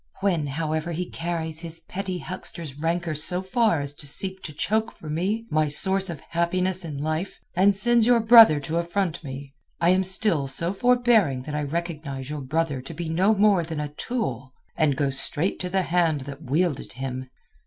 When, however, he carries his petty huckster's rancour so far as to seek to choke for me my source of happiness in life and sends your brother to affront me, I am still so forbearing that I recognize your brother to be no more than a tool and go straight to the hand that wielded him.